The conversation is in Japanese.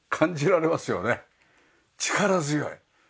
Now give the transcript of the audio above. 力強い。